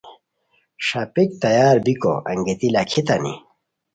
ݰاپیک تیار بیکو انگیتی لاکھیتانی